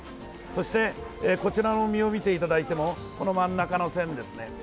そしてこちらの身を見ていただいてもこの真ん中の線ですね。